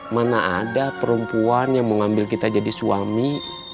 mana ada perempuan yang mengambil kita jadi suami